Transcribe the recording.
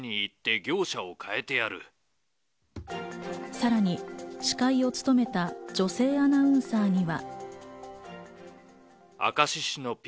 さらに司会を務めた女性アナウンサーには。